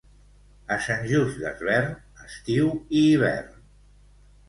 A Sant Just Desvern, estiu i hivern.